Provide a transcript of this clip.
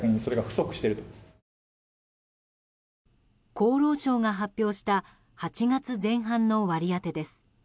厚労省が発表した８月前半の割り当てです。